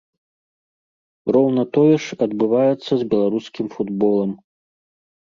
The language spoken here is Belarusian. Роўна тое ж адбываецца з беларускім футболам.